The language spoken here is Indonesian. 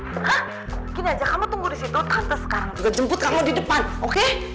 beka kini aja kamu tunggu di situ kata sekarang juga jemput kamu di depan oke